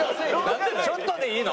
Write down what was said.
ちょっとでいいの。